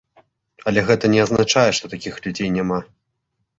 Але гэта не азначае, што такіх людзей няма.